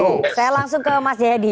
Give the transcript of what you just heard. oke saya langsung ke mas jayadi